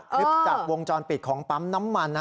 คลิปจากวงจรปิดของปั๊มน้ำมัน